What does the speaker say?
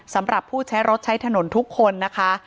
สำหรับผู้ใช้รถใช้ถนนทุกคนนะคะ